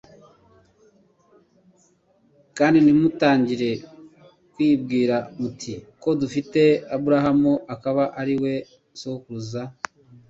kandi ntimugatangire kwibwira muti : ko dufite Aburahamu akaba ari we sogokuruza :